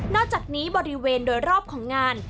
อกจากนี้บริเวณโดยรอบของงาน